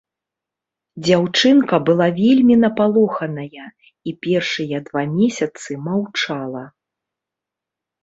Дзяўчынка была вельмі напалоханая, і першыя два месяцы маўчала.